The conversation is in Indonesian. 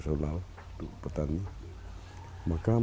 maka masalahnya misalnya musik biaya itu tidak bisa dikonsumsi oleh petani